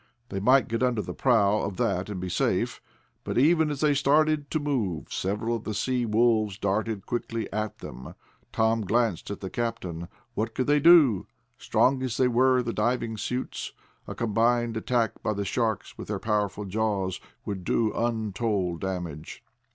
They might get under the prow of that and be safe. But even as they started to move, several of the sea wolves darted quickly at them. Tom glanced at the captain. What could they do? Strong as were the diving suits, a combined attack by the sharks, with their powerful jaws, would do untold damage.